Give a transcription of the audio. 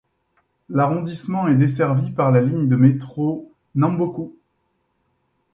L'arrondissement est desservi par la ligne de métro Namboku.